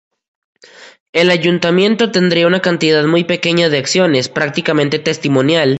El Ayuntamiento tendría una cantidad muy pequeña de acciones, prácticamente testimonial.